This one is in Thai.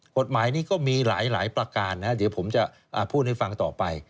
กฎหมายนี้ก็มีหลายประการนะเดี๋ยวผมจะพูดให้ฟังต่อไป